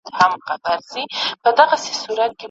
لنډۍ په غزل کي، اوومه برخه